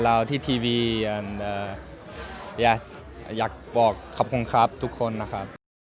และฉันหวังว่าบรุณธรรมดิกาจะเป็นคนที่สุดสุข